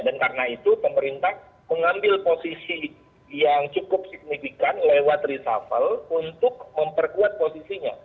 dan karena itu pemerintah mengambil posisi yang cukup signifikan lewat reshuffle untuk memperkuat posisinya